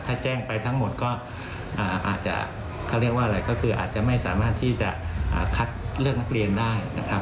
ถ้าแจ้งไปทั้งหมดก็อาจจะเขาเรียกว่าอะไรก็คืออาจจะไม่สามารถที่จะคัดเลือกนักเรียนได้นะครับ